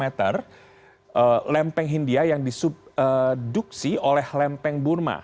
dan di atasnya ada lempeng india yang disubduksi oleh lempeng burma